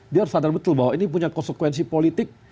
dia harus sadar betul bahwa ini punya konsekuensi politik